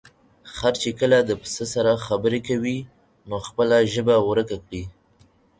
خر چې کله د پسه سره خبرې کوي، نو خپله ژبه ورکه کړي.